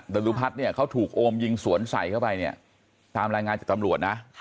ดรุพัฒน์เขาถูกโอมยิงสวนใสเข้าไปตามรายงานจากตำรวจนะ